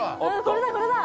これだこれだ。